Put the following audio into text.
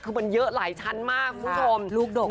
คือมันเยอะหลายชั้นมากคุณผู้ชมลูกดก